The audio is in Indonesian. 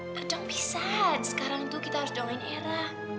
don't be sad sekarang tuh kita harus dorongin era